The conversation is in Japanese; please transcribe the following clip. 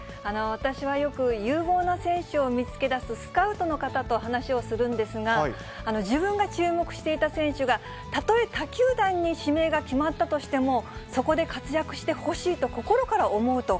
私はよく、有望な選手を見つけ出すスカウトの方と話をするんですが、自分が注目していた選手が、たとえ他球団に指名が決まったとしても、そこで活躍してほしいと、心から思うと。